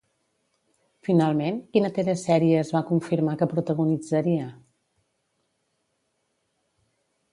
Finalment, quina telesèrie es va confirmar que protagonitzaria?